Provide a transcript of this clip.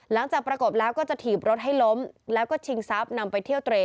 ประกบแล้วก็จะถีบรถให้ล้มแล้วก็ชิงทรัพย์นำไปเที่ยวเตร